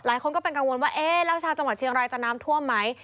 หลายคนก็เป็นกังวลว่าเอ๊ะแล้วชาวจังหวัดเชียงรายจะน้ำท่วมไหม